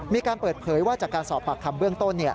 มีการเปิดเผยว่าจากการสอบปากคำเบื้องต้น